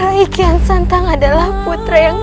raiki yang santang adalah putra yang